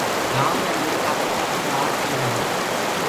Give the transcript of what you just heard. گآئونٚ مي منک آپو ڪآ ڪپڙآ آپ سيندآ هينٚ۔